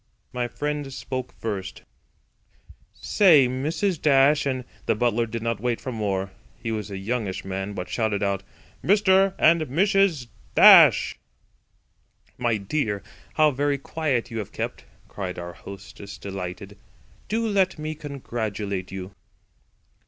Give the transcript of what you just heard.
My friend spoke first: "Say Mrs. Dash and—" The butler did not wait for more—he was a youngish man—but shouted out: "Mr. and Mrs. Dash." "My dear! how very quiet you have kept!" cried our hostess delighted. "Do let me congratulate you."